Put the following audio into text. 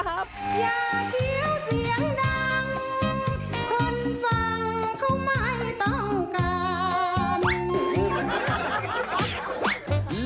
อย่าเคี้ยวเสียงดังคนฟังเขาไม่ต้องการ